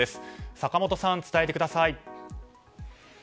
坂元さん、伝えてください。